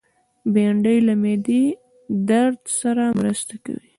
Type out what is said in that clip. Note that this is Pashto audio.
بېنډۍ له معدې درد سره مرسته کوي